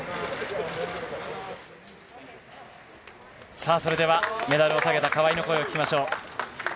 さあ、それでは、メダルをさげた川井の声を聞きましょう。